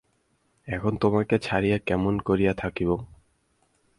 এখন তোমাকে ছাড়িয়া কেমন করিয়া থাকিব।